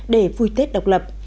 để vui tết độc lập